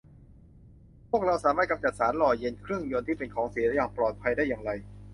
พวกเราสามารถกำจัดสารหล่อเย็นเครื่องยนต์ที่เป็นของเสียอย่างปลอดภัยได้อย่างไร